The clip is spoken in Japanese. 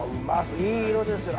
いい色ですね。